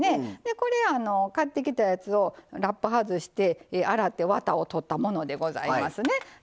これ買ってきたやつをラップ外して洗ってワタを取ったものでございますね。